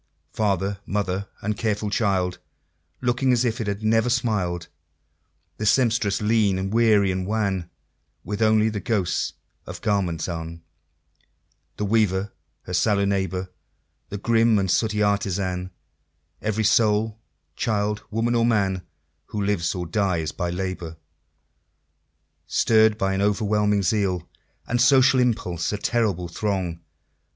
Father, mother, and careful child, Looking as if it had never smiled The Sempstress, lean, and weary, and wan, With only the ghosts of garments on The Weaver, her sallow neighbor, The grim and sooty Artisan; Every soul child, woman, or man, Who lives or dies by labor. Stirr'd by an overwhelming zeal, And social impulse, a terrible throng!